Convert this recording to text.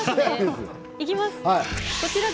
いきますね。